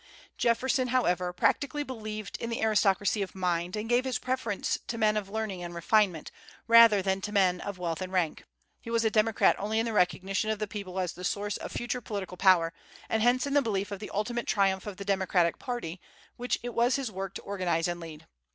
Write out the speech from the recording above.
Jefferson, however, practically believed in the aristocracy of mind, and gave his preference to men of learning and refinement, rather than men of wealth and rank. He was a democrat only in the recognition of the people as the source of future political power, and hence in the belief of the ultimate triumph of the Democratic party, which it was his work to organize and lead.